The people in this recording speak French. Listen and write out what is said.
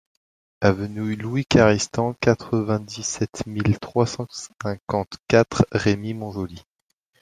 Avenue Louis Caristan, quatre-vingt-dix-sept mille trois cent cinquante-quatre Remire-Montjoly